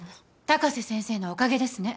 高瀬先生のおかげですね。